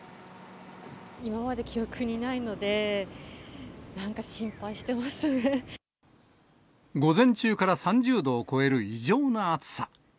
今まで記憶にないので、午前中から３０度を超える異常な暑さ。